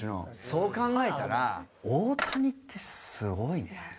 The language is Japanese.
そう考えたら大谷ってすごいね。